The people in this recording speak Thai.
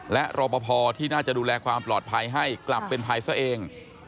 และรอปภที่น่าจะดูแลความปลอดภัยให้กลับเป็นภัยซะเอง